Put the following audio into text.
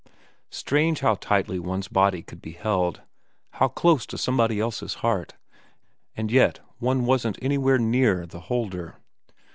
Strange how tightly one's body could be held, how close to somebody else's heart, and yet one wasn't anywhere near the holder.